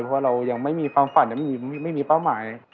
เพราะว่าเรายังไม่มีฟังฝันยังไม่มีปั๊มไหม